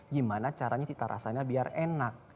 gimana caranya kita rasainya biar enak